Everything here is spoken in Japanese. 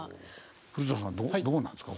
古田さんどうなんですか？